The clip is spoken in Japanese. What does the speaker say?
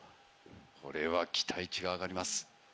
これは期待値が上がります。